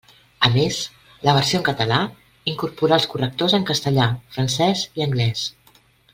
A més, la versió en català incorporà els correctors en castellà, francès i anglès.